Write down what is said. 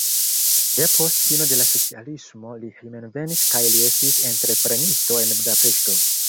Depost fino de la socialismo li hejmenvenis kaj li estis entreprenisto en Budapeŝto.